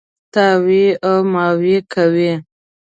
تاوې او ماوې کوي.